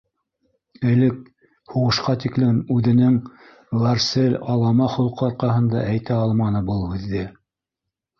Элек, һуғышҡа тиклем үҙенең, ғәрсел, алама холҡо арҡаһында әйтә алманы был һүҙҙе...